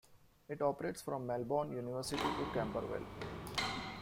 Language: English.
It operates from Melbourne University to Camberwell.